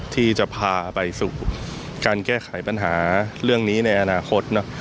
ที่จะพาไปสู่การแก้ไขปัญหาเรื่องนี้ในอนาคต